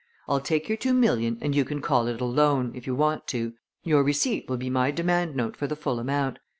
I'll take your two million and you can call it a loan, if you want to. Your receipt will be my demand note for the full amount.